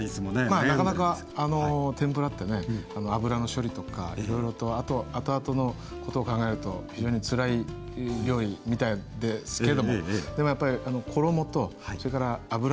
まあなかなか天ぷらってね油の処理とかいろいろとあと後々のことを考えると非常につらい料理みたいですけれどもでもやっぱり衣とそれから油の温度